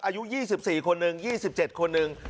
อายุ๒๔คนหนึ่ง๒๗คนหนึ่ง